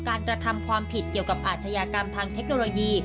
กระทำความผิดเกี่ยวกับอาชญากรรมทางเทคโนโลยี